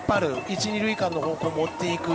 一、二塁間の方向に持っていく。